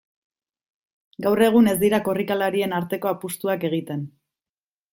Gaur egun ez dira korrikalarien arteko apustuak egiten.